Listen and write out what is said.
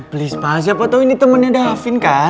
please pak siapa tau ini temennya davin kan